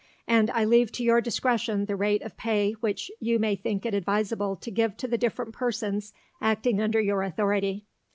and I leave to your discretion the rate of pay which you may think it advisable to give to the different persons acting under your authority.